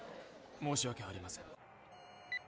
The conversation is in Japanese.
申し訳ありません。